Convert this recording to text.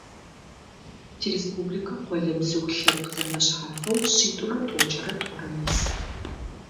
Тиреспубликэ къолэбзыу лъэпкъ зэфэшъхьафэу шъитӏурэ тӏокӏырэ тӏурэ ис.